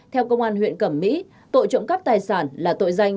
theo công an huyện cẩm mỹ tội trộm cắp tài sản là tội danh